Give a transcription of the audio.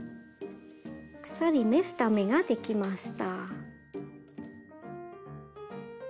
鎖目２目ができました。